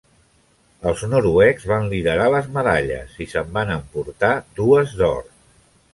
Els noruecs van liderar les medalles, i se'n van emportar dues d'or.